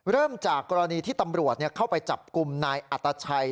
เริ่มจากกรณีที่ตำรวจเข้าไปจับกลุ่มนายอัตชัย